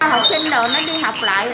học sinh đồ nó đi học lại